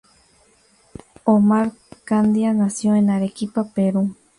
Omar Candia nació en Arequipa, Perú.